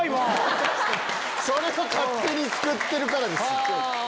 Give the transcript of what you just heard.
それは勝手に作ってるからですよ。